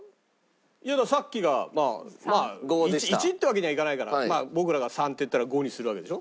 いやだからさっきがまあ１ってわけにはいかないから僕らが３って言ったら５にするわけでしょ？